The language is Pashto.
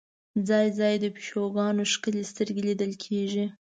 ځای ځای د پیشوګانو ښکلې سترګې لیدل کېږي.